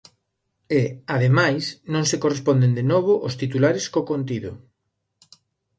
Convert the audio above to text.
E, ademais, non se corresponden de novo os titulares co contido.